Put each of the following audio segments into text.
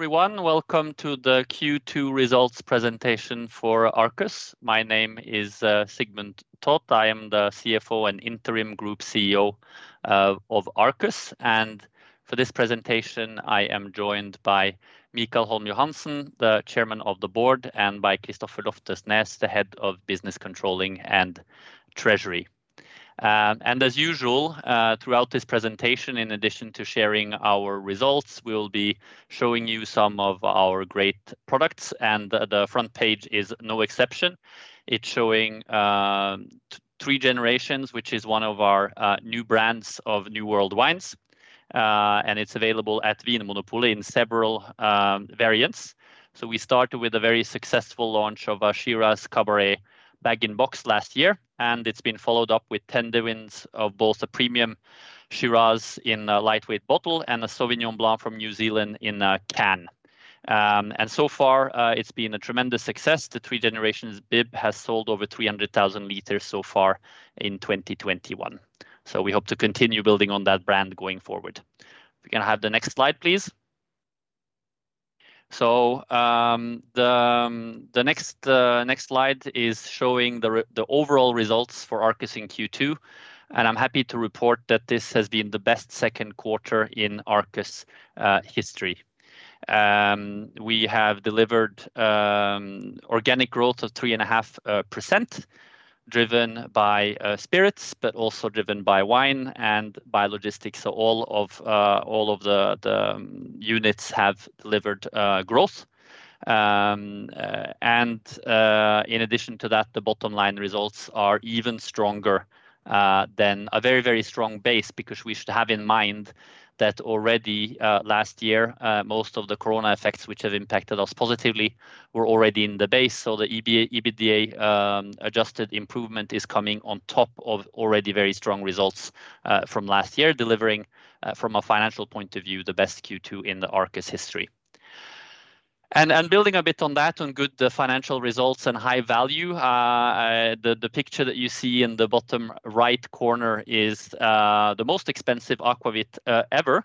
Everyone, welcome to the Q2 results presentation for Arcus. My name is Sigmund Toth. I am the CFO and Interim Group CEO of Arcus. For this presentation, I am joined by Michael Holm Johansen, the Chairman of the Board, and by Kristoffer Løfterød Nes, the Head of Business Controlling and Treasury. As usual, throughout this presentation, in addition to sharing our results, we'll be showing you some of our great products. The front page is no exception, it's showing Three Generations, which is one of our new brands of new world wines. It's available at Vinmonopolet in several variants. We started with a very successful launch of our Shiraz Cabernet bag-in-box last year. It's been followed up with tender wines of both the premium Shiraz in a lightweight bottle and a Sauvignon Blanc from New Zealand in a can. So far, it's been a tremendous success. The Three Generations BIB has sold over 300,000 L so far in 2021. We hope to continue building on that brand going forward. We're going to have the next slide, please. The next slide is showing the overall results for Arcus in Q2, and I'm happy to report that this has been the best second quarter in Arcus history. We have delivered organic growth of 3.5% driven by spirits, but also driven by wine and by logistics. All of the units have delivered growth. In addition to that, the bottom line results are even stronger than a very strong base, because we should have in mind that already last year, most of the COVID-19 effects, which have impacted us positively, were already in the base. The EBITDA adjusted improvement is coming on top of already very strong results from last year, delivering, from a financial point of view, the best Q2 in the Arcus history. Building a bit on that, on good financial results and high value, the picture that you see in the bottom right corner is the most expensive aquavit ever.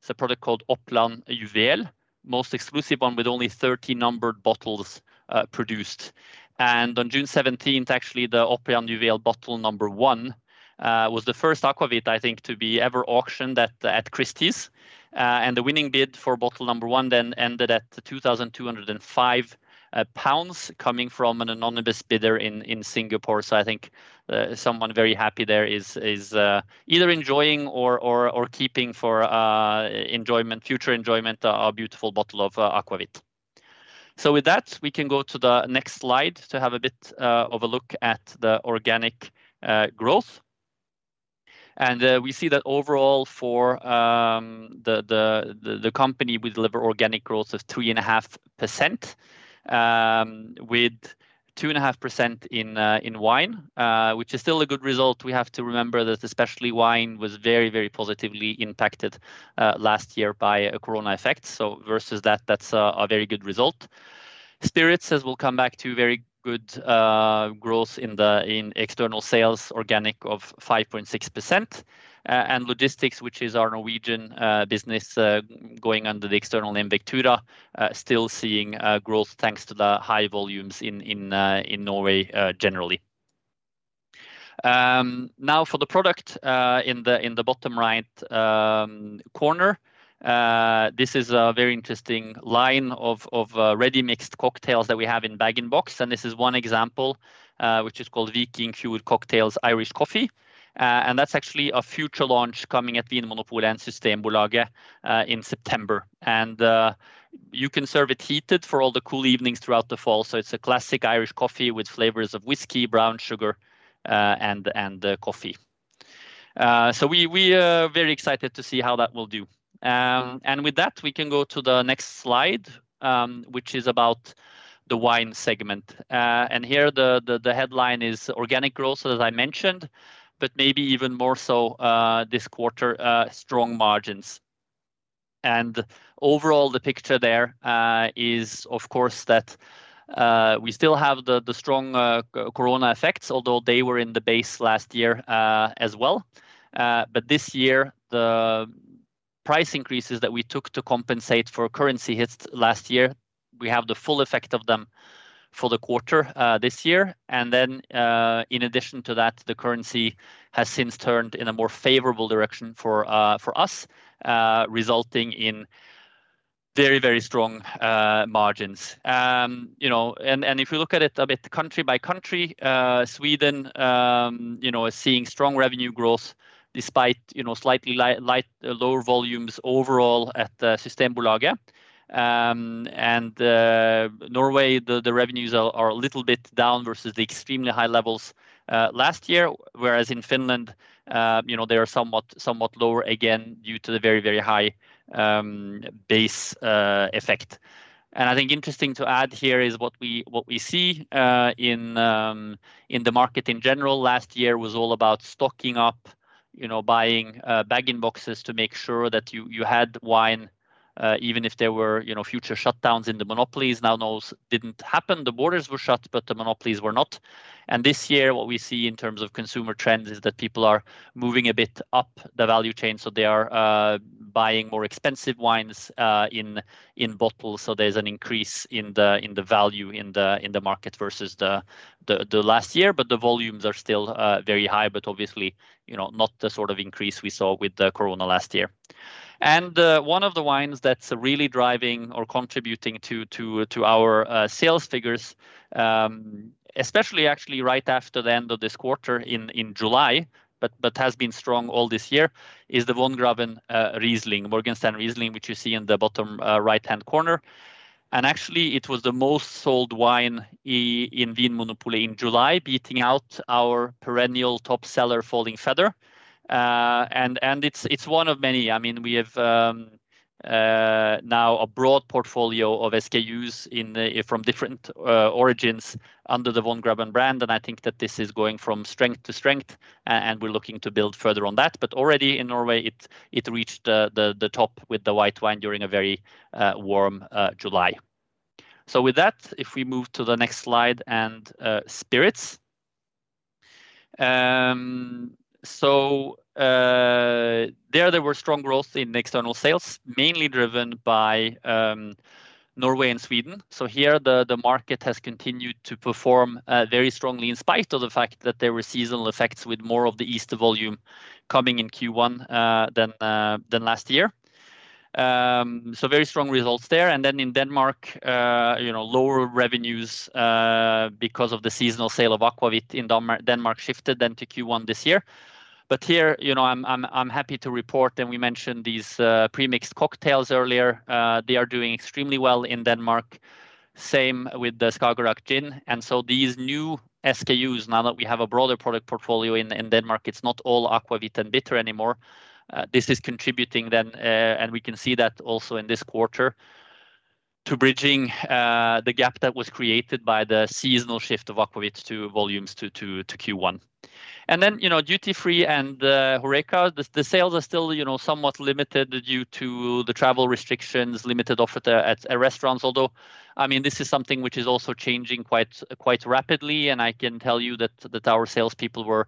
It's a product called Opland Juvel, most exclusive one with only 30 numbered bottles produced. On June 17th, actually, the Opland Juvel bottle number one was the first aquavit, I think, to be ever auctioned at Christie's. The winning bid for bottle number one then ended at 2,205 pounds, coming from an anonymous bidder in Singapore. I think someone very happy there is either enjoying or keeping for future enjoyment our beautiful bottle of aquavit. With that, we can go to the next slide to have a bit of a look at the organic growth. We see that overall for the company, we deliver organic growth of 3.5%, with 2.5% in wine, which is still a good result. We have to remember that especially wine was very, very positively impacted last year by a corona effect. Versus that's a very good result. Spirits as we'll come back to very good growth in external sales organic of 5.6%, and logistics, which is our Norwegian business, going under the external name Vectura, still seeing growth thanks to the high volumes in Norway generally. For the product in the bottom right corner, this is a very interesting line of ready-mixed cocktails that we have in bag-in-box, and this is one example, which is called Viking Fjord Cocktails Irish Coffee. That's actually a future launch coming at Vinmonopolet and Systembolaget in September. You can serve it heated for all the cool evenings throughout the fall. It's a classic Irish coffee with flavors of whiskey, brown sugar, and coffee. We are very excited to see how that will do. With that, we can go to the next slide, which is about the wine segment. Here the headline is organic growth, as I mentioned, but maybe even more so this quarter, strong margins. Overall, the picture there is, of course, that we still have the strong corona effects, although they were in the base last year as well. This year, the price increases that we took to compensate for currency hits last year, we have the full effect of them for the quarter this year. In addition to that, the currency has since turned in a more favorable direction for us, resulting in very strong margins. If we look at it a bit country by country, Sweden is seeing strong revenue growth despite slightly lower volumes overall at Systembolaget. Norway, the revenues are a little bit down versus the extremely high levels last year. Whereas in Finland, they are somewhat lower again due to the very high base effect. I think interesting to add here is what we see in the market in general, last year was all about stocking up buying bag-in-boxes to make sure that you had wine even if there were future shutdowns in the monopolies. Now those didn't happen. The borders were shut, but the monopolies were not. This year, what we see in terms of consumer trends is that people are moving a bit up the value chain. They are buying more expensive wines in bottles. There's an increase in the value in the market versus the last year. The volumes are still very high, but obviously, not the sort of increase we saw with the Corona last year. One of the wines that's really driving or contributing to our sales figures, especially actually right after the end of this quarter in July, but has been strong all this year, is the Wongraven Riesling, Morgenstern Riesling, which you see in the bottom right-hand corner. Actually, it was the most sold wine in Vinmonopolet in July, beating out our perennial top seller, Falling Feather. It's one of many. We have now a broad portfolio of SKUs from different origins under the Wongraven brand, and I think that this is going from strength to strength, and we're looking to build further on that. Already in Norway, it reached the top with the white wine during a very warm July. With that, if we move to the next slide and spirits. There were strong growth in external sales, mainly driven by Norway and Sweden. Here the market has continued to perform very strongly in spite of the fact that there were seasonal effects with more of the Easter volume coming in Q1 than last year. Very strong results there. In Denmark, lower revenues because of the seasonal sale of aquavit in Denmark shifted then to Q1 this year. Here, I'm happy to report, and we mentioned these pre-mixed cocktails earlier. They are doing extremely well in Denmark. Same with the Skagerrak Gin. These new SKUs, now that we have a broader product portfolio in Denmark, it's not all aquavit and bitter anymore. This is contributing then, and we can see that also in this quarter, to bridging the gap that was created by the seasonal shift of aquavit to volumes to Q1. Duty free and HORECA, the sales are still somewhat limited due to the travel restrictions, limited offer at restaurants. This is something which is also changing quite rapidly, and I can tell you that our sales people were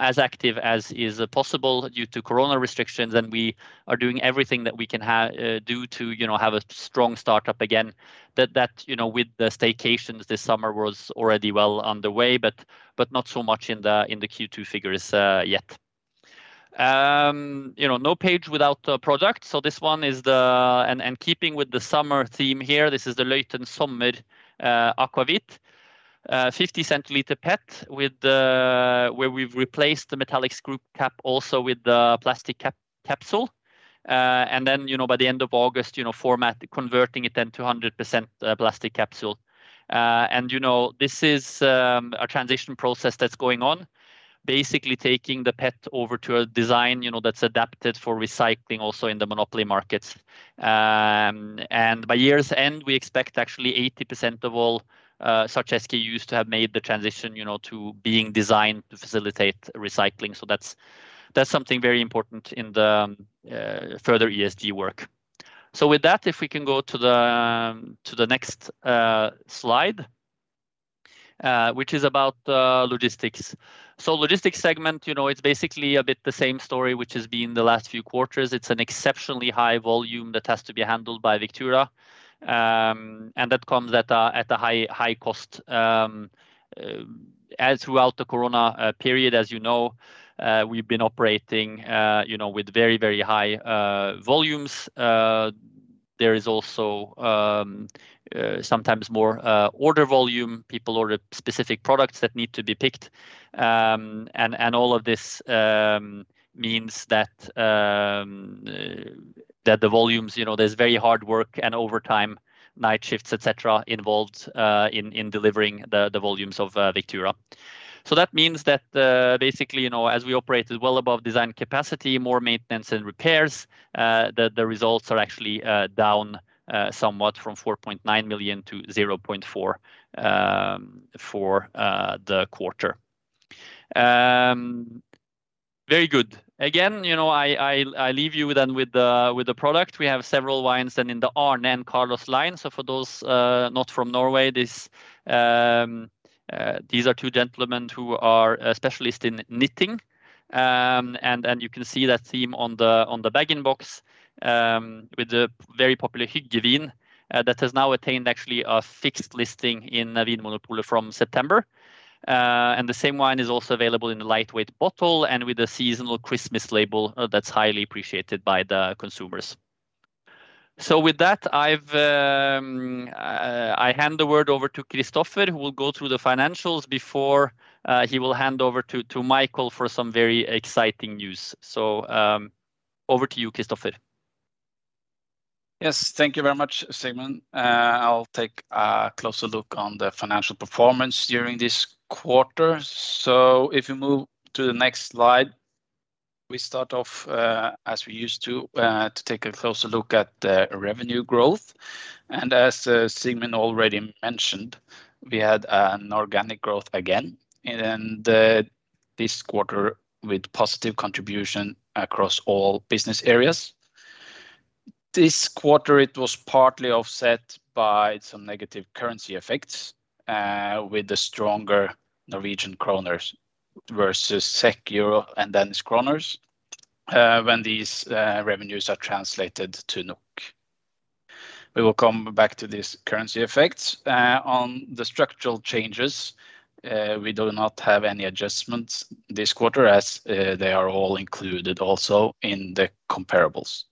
as active as is possible due to corona restrictions. We are doing everything that we can do to have a strong startup again. That with the staycations this summer was already well underway, but not so much in the Q2 figures yet. No page without product. Keeping with the summer theme here, this is the Løiten Sommer Aquavit. 50-cL PET, where we've replaced the metallic screw cap also with the plastic capsule. By the end of August, format converting it then to 100% plastic capsule. This is a transition process that's going on, basically taking the PET over to a design that's adapted for recycling also in the monopoly markets. By year's end, we expect actually 80% of all such SKUs to have made the transition to being designed to facilitate recycling. That's something very important in the further ESG work. With that, if we can go to the next slide which is about logistics. Logistics segment, it's basically a bit the same story which has been the last few quarters. It's an exceptionally high volume that has to be handled by Vectura, and that comes at a high cost. As throughout the Corona period, as you know, we've been operating with very high volumes. There is also sometimes more order volume. People order specific products that need to be picked. All of this means that the volumes, there's very hard work and overtime, night shifts, etc, involved in delivering the volumes of Vectura. That means that basically, as we operated well above design capacity, more maintenance and repairs, the results are actually down somewhat from 4.9 million to 0.4 million for the quarter. Very good. I leave you then with the product. We have several wines then in the Arne & Carlos line. For those not from Norway, these are two gentlemen who are specialists in knitting. You can see that theme on the bag-in-box, with the very popular Hyggevin that has now attained actually a fixed listing in Vinmonopolet from September. The same wine is also available in a lightweight bottle and with a seasonal Christmas label that's highly appreciated by the consumers. With that, I hand the word over to Kristoffer, who will go through the financials before he will hand over to Michael for some very exciting news. Over to you, Kristoffer. Yes, thank you very much, Sigmund. I'll take a closer look on the financial performance during this quarter. If you move to the next slide. We start off, as we used to take a closer look at the revenue growth. As Sigmund already mentioned, we had an organic growth again, and this quarter, with positive contribution across all business areas. This quarter, it was partly offset by some negative currency effects with the stronger Norwegian kroner versus SEK, EUR, and Danish kroner when these revenues are translated to NOK. We will come back to these currency effects. On the structural changes, we do not have any adjustments this quarter as they are all included also in the comparables.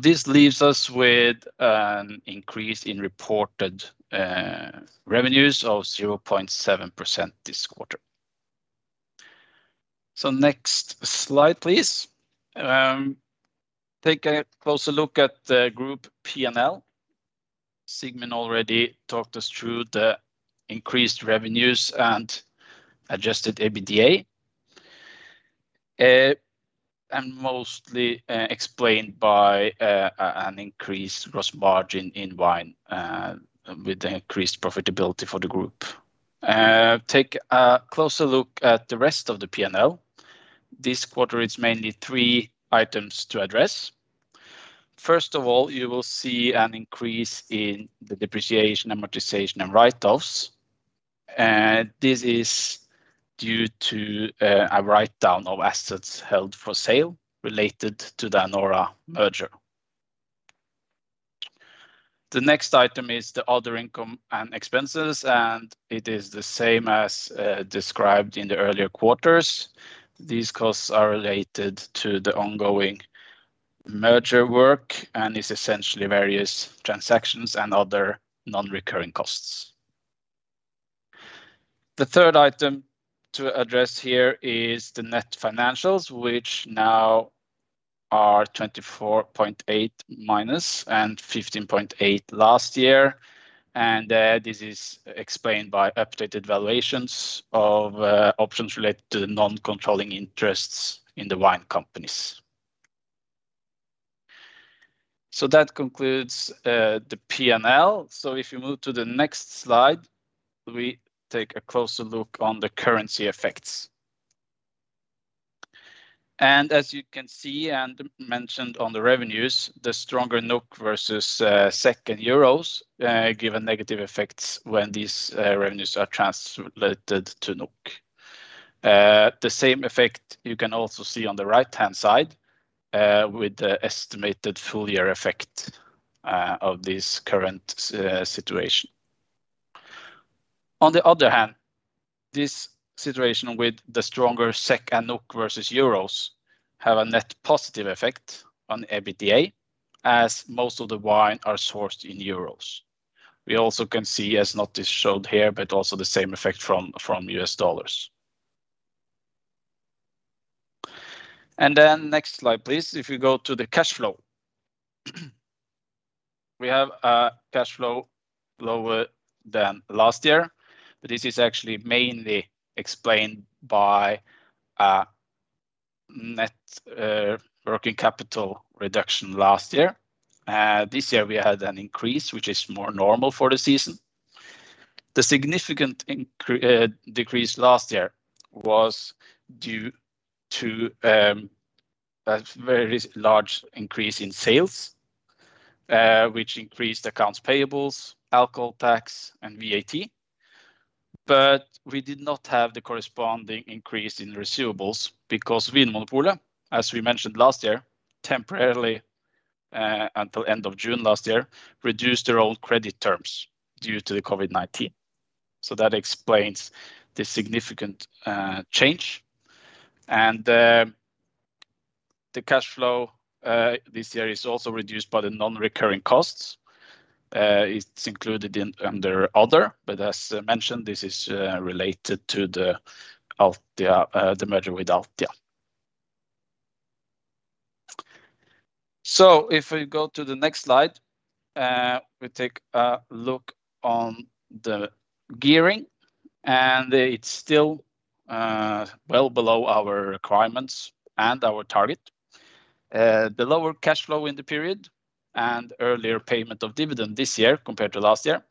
This leaves us with an increase in reported revenues of 0.7% this quarter. Next slide, please. Take a closer look at the group P&L. Sigmund already talked us through the increased revenues and adjusted EBITDA, and mostly explained by an increased gross margin in wine with the increased profitability for the group. Take a closer look at the rest of the P&L. This quarter, it's mainly three items to address. First of all, you will see an increase in the depreciation, amortization, and write-offs. This is due to a write-down of assets held for sale related to the Anora merger. The next item is the other income and expenses. It is the same as described in the earlier quarters. These costs are related to the ongoing merger work and is essentially various transactions and other non-recurring costs. The third item to address here is the net financials, which now are -24.8 and 15.8 last year. This is explained by updated valuations of options related to non-controlling interests in the wine companies. That concludes the P&L. If you move to the next slide, we take a closer look on the currency effects. As you can see and mentioned on the revenues, the stronger NOK versus SEK and euros give negative effects when these revenues are translated to NOK. The same effect you can also see on the right-hand side with the estimated full year effect of this current situation. On the other hand, this situation with the stronger SEK and NOK versus euros have a net positive effect on EBITDA, as most of the wine are sourced in euros. We also can see, it's not just showed here, but also the same effect from US dollars. Next slide, please. If you go to the cash flow. We have a cash flow lower than last year, but this is actually mainly explained by a net working capital reduction last year. This year we had an increase, which is more normal for the season. The significant decrease last year was due to a very large increase in sales, which increased accounts payables, alcohol tax, and VAT. We did not have the corresponding increase in receivables because Vinmonopolet, as we mentioned last year, temporarily, until end of June last year, reduced their own credit terms due to the COVID-19. That explains the significant change. The cash flow this year is also reduced by the non-recurring costs. It's included under other, but as mentioned, this is related to the merger with Altia. If we go to the next slide, we take a look on the gearing, and it's still well below our requirements and our target. The lower cash flow in the period and earlier payment of dividend this year compared to last year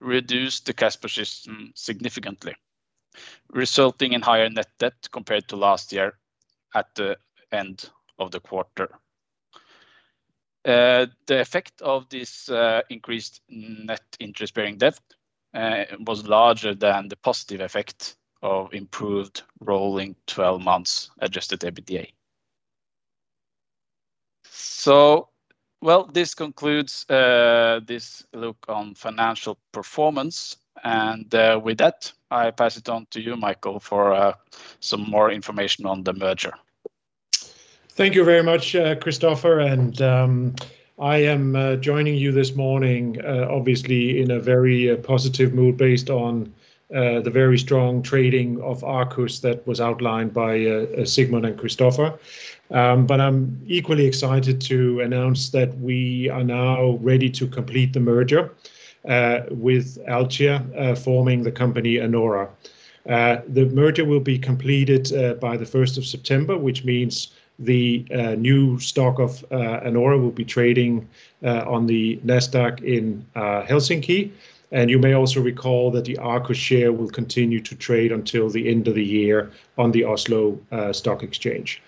reduced the cash position significantly, resulting in higher net debt compared to last year at the end of the quarter. The effect of this increased net interest-bearing debt was larger than the positive effect of improved rolling 12 months adjusted EBITDA. Well, this concludes this look on financial performance. With that, I pass it on to you, Michael, for some more information on the merger. Thank you very much, Kristoffer. I am joining you this morning obviously in a very positive mood based on the very strong trading of Arcus that was outlined by Sigmund and Kristoffer. I'm equally excited to announce that we are now ready to complete the merger with Altia, forming the company Anora. The merger will be completed by the 1st of September, which means the new stock of Anora will be trading on the Nasdaq in Helsinki. You may also recall that the Arcus share will continue to trade until the end of the year on the Oslo Stock Exchange.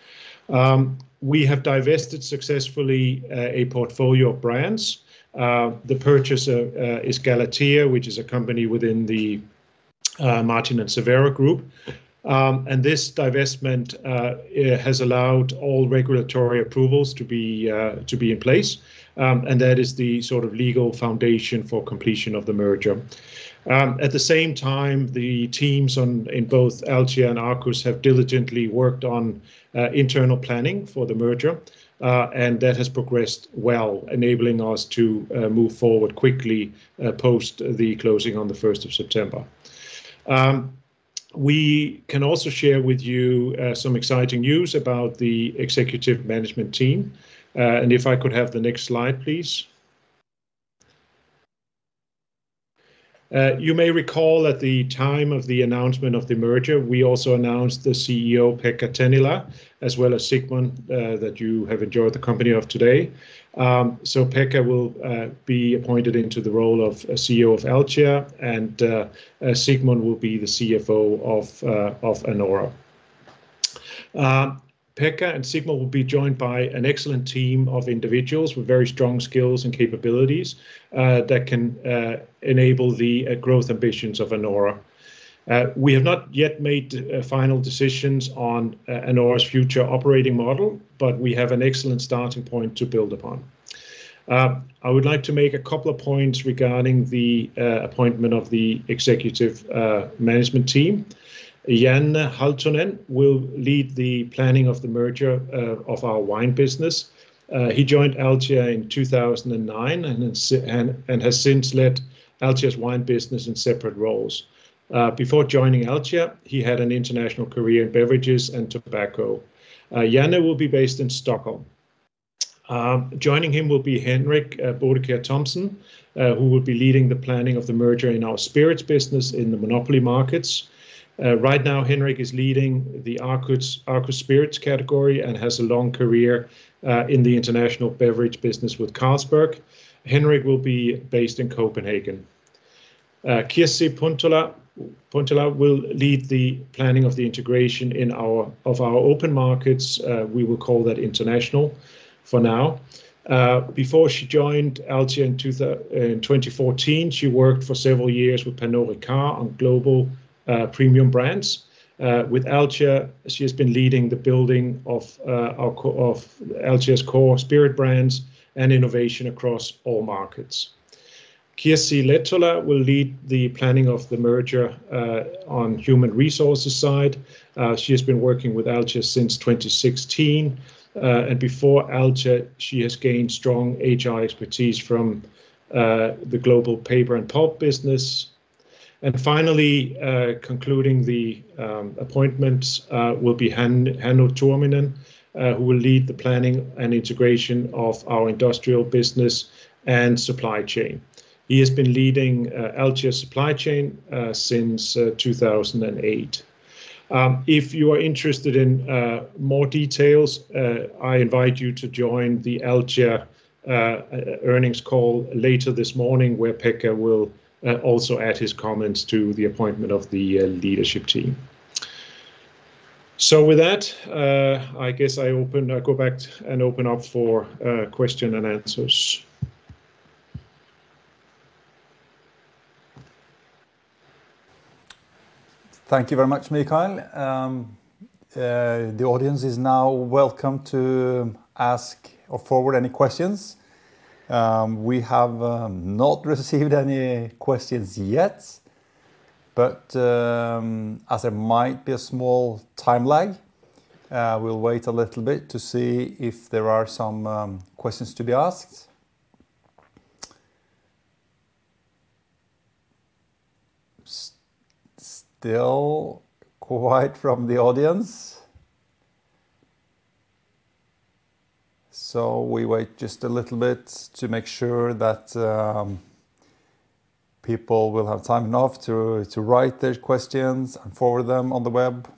We have divested successfully a portfolio of brands. The purchaser is Galatea, which is a company within the Martin & Servera group. This divestment has allowed all regulatory approvals to be in place, and that is the legal foundation for completion of the merger. At the same time, the teams in both Altia and Arcus have diligently worked on internal planning for the merger, and that has progressed well, enabling us to move forward quickly post the closing on the 1st of September. We can also share with you some exciting news about the executive management team. If I could have the next slide, please. You may recall at the time of the announcement of the merger, we also announced the CEO, Pekka Tennilä, as well as Sigmund, that you have enjoyed the company of today. Pekka will be appointed into the role of CEO of Altia, and Sigmund will be the CFO of Anora. Pekka and Sigmund will be joined by an excellent team of individuals with very strong skills and capabilities that can enable the growth ambitions of Anora. We have not yet made final decisions on Anora's future operating model, but we have an excellent starting point to build upon. I would like to make a couple of points regarding the appointment of the executive management team. Janne Halttunen will lead the planning of the merger of our wine business. He joined Altia in 2009 and has since led Altia's wine business in separate roles. Before joining Altia, he had an international career in beverages and tobacco. Jan will be based in Stockholm. Joining him will be Henrik Bødiker Thomsen, who will be leading the planning of the merger in our spirits business in the monopoly markets. Right now, Henrik is leading the Arcus Spirits category and has a long career in the international beverage business with Carlsberg. Henrik will be based in Copenhagen. Kirsi Puntila will lead the planning of the integration of our open markets. We will call that international for now. Before she joined Altia in 2014, she worked for several years with Pernod Ricard on global premium brands. With Altia, she has been leading the building of Altia's core spirit brands and innovation across all markets. Kirsi Lehtola will lead the planning of the merger on human resources side. She has been working with Altia since 2016. Before Altia, she has gained strong HR expertise from the global paper and pulp business. Finally, concluding the appointments will be Hannu Tuominen, who will lead the planning and integration of our industrial business and supply chain. He has been leading Altia supply chain since 2008. If you are interested in more details, I invite you to join the Altia earnings call later this morning, where Pekka will also add his comments to the appointment of the leadership team. With that, I guess I go back and open up for question and answers. Thank you very much, Michael. The audience is now welcome to ask or forward any questions. We have not received any questions yet, as there might be a small time lag, we'll wait a little bit to see if there are some questions to be asked. Still quiet from the audience. We wait just a little bit to make sure that people will have time enough to write their questions and forward them on the web.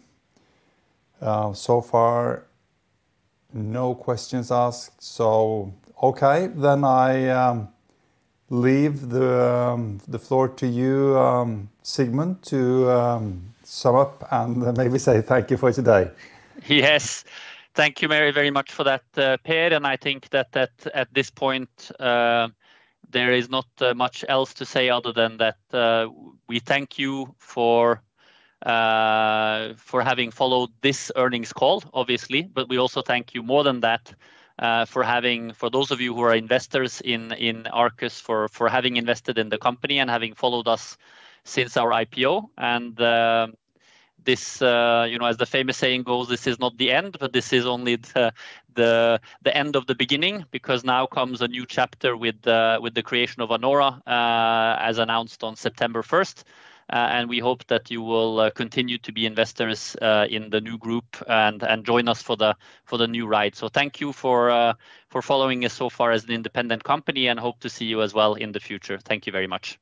Far no questions asked. Okay then I leave the floor to you, Sigmund, to sum up and maybe say thank you for today. Yes. Thank you very much for that, Per. I think that at this point, there is not much else to say other than that we thank you for having followed this earnings call, obviously. We also thank you more than that, for those of you who are investors in Arcus, for having invested in the company and having followed us since our IPO. As the famous saying goes, this is not the end, but this is only the end of the beginning, because now comes a new chapter with the creation of Anora, as announced on September 1st. We hope that you will continue to be investors in the new group and join us for the new ride. Thank you for following us so far as an independent company, and hope to see you as well in the future. Thank you very much.